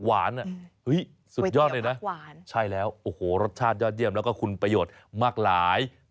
วันนี้ยังก่อนยัง